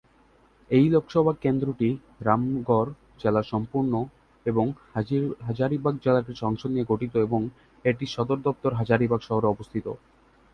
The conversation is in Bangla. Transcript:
এই লোকসভা কেন্দ্রটি রামগড় জেলার সম্পূর্ণ এবং হাজারিবাগ জেলার কিছু অংশ নিয়ে গঠিত এবং এটির সদর দফতর হাজারিবাগ শহরে অবস্থিত।